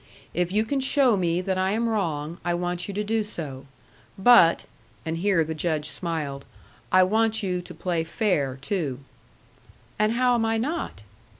If you can show me that I am wrong, I want you to do so. But," and here the Judge smiled, "I want you to play fair, too." "And how am I not?"